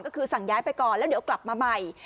ก็คือสั่งย้ายไปก่อนแล้วเดี๋ยวกลับมาใหม่